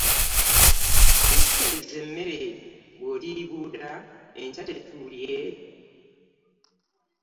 Kekkereza emmere! Bw'oddibuuda enkya tetuulye?